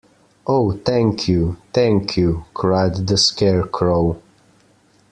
Oh, thank you — thank you! cried the Scarecrow.